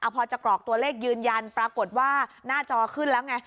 พอจะกรอกตัวเลขยืนยันปรากฏว่าหน้าจอขึ้นแล้วไง